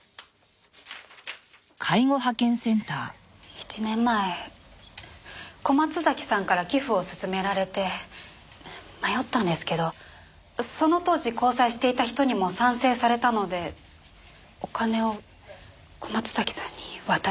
１年前小松崎さんから寄付を勧められて迷ったんですけどその当時交際していた人にも賛成されたのでお金を小松崎さんに渡しました。